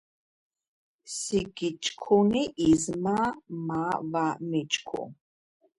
სი გიჩქუნი იზმა მა ვა მიჩქუ.